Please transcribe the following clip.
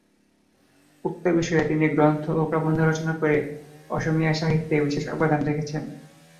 উক্ত বিষয়ে তিনি গ্রন্থ ও প্রবন্ধ রচনা করে অসমীয়া সাহিত্যে বিশেষ অবদান রেখেছেন।